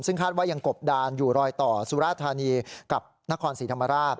ซึ่งคาดว่ายังกบดานอยู่รอยต่อสุราธานีกับนครศรีธรรมราช